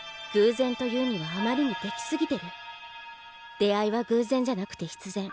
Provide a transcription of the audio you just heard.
出会いは偶然じゃなくて必然。